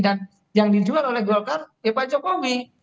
dan yang dijual oleh golkar ya pak jokowi